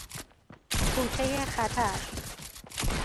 کوچه خطر